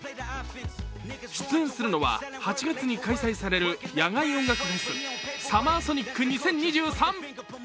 出演するのは、８月に開催される野外音楽フェスＳＵＭＭＥＲＳＯＮＩＣ２０２３。